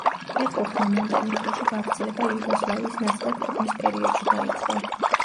ფეხბურთმა მონტენეგროში გავრცელება იუგოსლავიის ნაწილად ყოფნის პერიოდში დაიწყო.